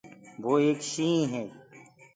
وو ايڪ شيِنهيٚنَ هي۔